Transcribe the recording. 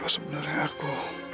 apa sebenarnya aku